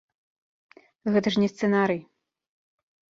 Гэта ж не сцэнарый.